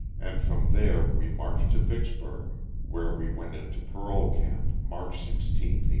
and from there we marched to Vicksburg, where we went into parole camp March 16, 1865.